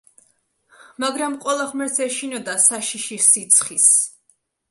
მაგრამ ყველა ღმერთს ეშინოდა საშიში სიცხის.